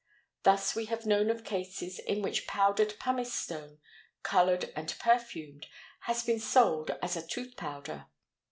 Thus we have known of cases in which powdered pumice stone, colored and perfumed, has been sold as a tooth powder.